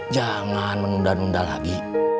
jangan menunda nunda lagi